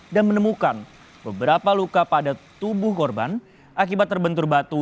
dan menemukan beberapa luka pada tubuh korban akibat terbentur batu